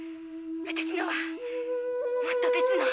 私のはもっと別の。